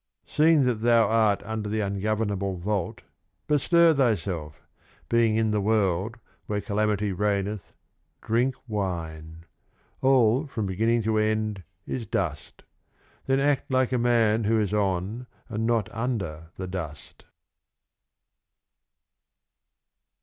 (417) Seeing that thou art under the ungovern able Vault, bestir thyself : being in the World where Calamity reigneth, drink Wine. All, from Beginning to End is Dust. Then act like a Man who is on, and not under, the Dust.